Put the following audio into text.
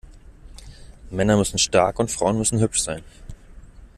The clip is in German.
Männer müssen stark und Frauen müssen hübsch sein.